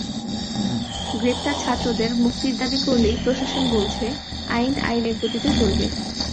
গ্রেপ্তার ছাত্রদের মুক্তির দাবি করলেই প্রশাসন বলছে আইন আইনের গতিতে চলবে।